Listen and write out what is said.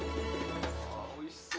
おいしそう。